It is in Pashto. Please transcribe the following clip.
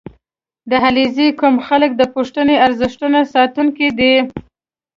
• د علیزي قوم خلک د پښتني ارزښتونو ساتونکي دي.